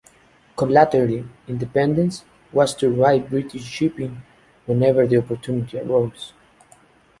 Collaterally, "Independence" was to raid British shipping whenever the opportunity arose.